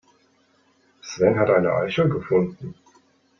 Sven hat eine Eichel gefunden.